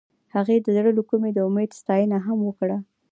هغې د زړه له کومې د امید ستاینه هم وکړه.